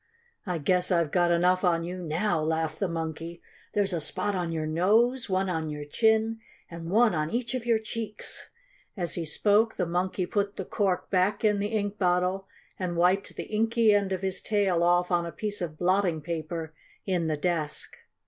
"I guess I've got enough on you now!" laughed the Monkey. "There's a spot on your nose, one on your chin, and one on each of your cheeks." As he spoke the Monkey put the cork back in the ink bottle and wiped the inky end of his tail off on a piece of blotting paper in the desk.